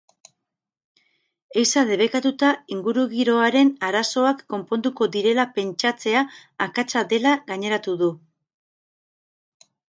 Ehiza debekatuta ingurugiroaren arazoak konponduko direla pentsatzea akatsa dela gaineratu du.